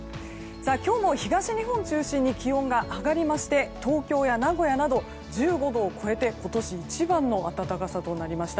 今日も東日本中心に気温が上がりまして東京や名古屋など１５度を超えて今年一番の暖かさとなりました。